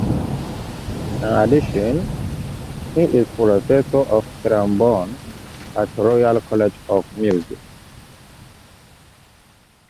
In addition he is Professor of Trombone at the Royal College of Music.